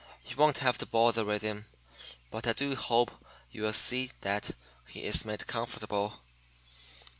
You won't have to bother with him; but I do hope you'll see that he is made comfortable.